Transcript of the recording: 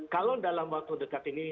kalau dalam waktu dekat ini